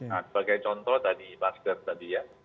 nah sebagai contoh tadi masker tadi ya